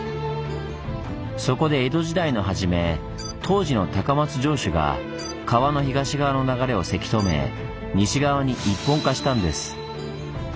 そこで江戸時代の初め当時の高松城主が川の東側の流れをせき止め西側に一本化したんです。